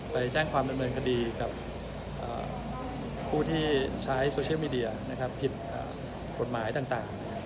ไปแจ้งความดำเนินคดีกับผู้ที่ใช้โซเชียลมีเดียผิดกฎหมายต่าง